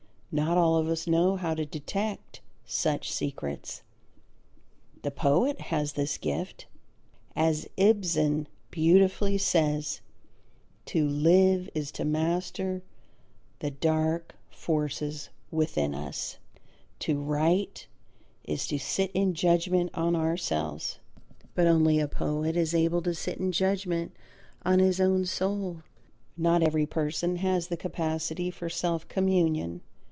Not all of us know how to detect such secrets. The poet has this gift. As Ibsen beautifully says: "To live is to master the dark forces within us; to write is to sit in judgment on ourselves." But only a poet is able to sit in judgment on his own soul. Not every person has the capacity for self communion.